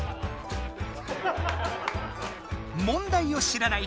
問題を知らない